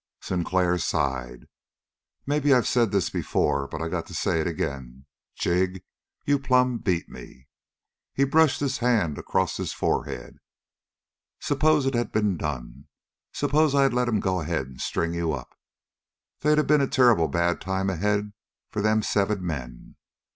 Sinclair sighed. "Maybe I've said this before, but I got to say it ag'in: Jig, you plumb beat me!" He brushed his hand across his forehead. "S'pose it'd been done! S'pose I had let 'em go ahead and string you up! They'd have been a terrible bad time ahead for them seven men.